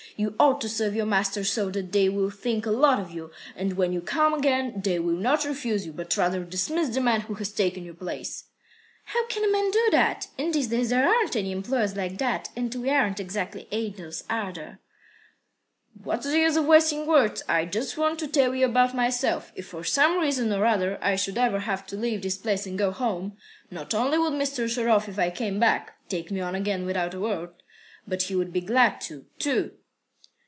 You ought to serve your masters so that they will think a lot of you, and when you come again, they will not refuse you, but rather dismiss the man who has taken your place." "How can a man do that? In these days there aren't any employers like that, and we aren't exactly angels, either." "What's the use of wasting words? I just want to tell you about myself. If for some reason or other I should ever have to leave this place and go home, not only would Mr. Sharov, if I came back, take me on again without a word, but he would be glad to, too."